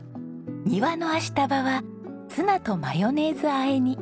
庭のアシタバはツナとマヨネーズあえに。